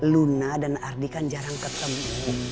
luna dan ardi kan jarang ketemu